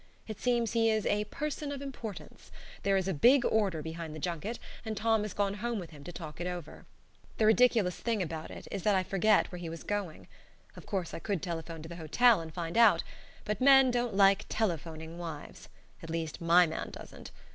It seems he is a "person of importance" there is a big order behind the junket, and Tom has gone home with him to talk it over. The ridiculous thing about it is that I forget where he was going. Of course I could telephone to the hotel and find out, but men don't like telephoning wives at least, my man doesn't.